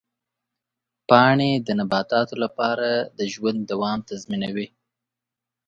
پاڼې د نباتاتو لپاره د ژوند دوام تضمینوي.